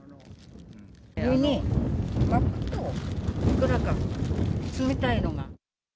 ここに巻くと、いくらか冷たいのが。